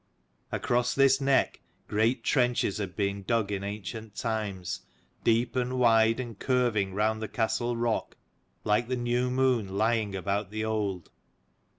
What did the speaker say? Across this neck great trenches had been dug in ancient times, deep and wide, and curving round the castle rock, like the new moon lying about the old.